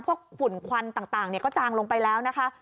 ฝุ่นควันต่างก็จางลงไปแล้วนะคะ